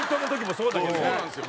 そうなんですよ。